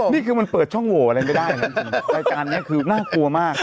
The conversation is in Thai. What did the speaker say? นี่คือมันเปิดช่องโหวอะไรไม่ได้นะรายการนี้คือน่ากลัวมาก